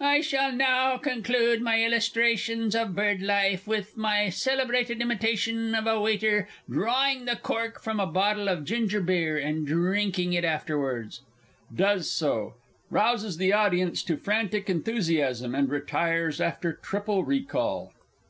_) I shall now conclude my illustrations of bird life with my celebrated imitation of a waiter drawing the cork from a bottle of gingerbeer, and drinking it afterwards. [_Does so; rouses the audience to frantic enthusiasm, and retires after triple recall.